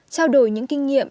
trao đổi những kinh nghiệm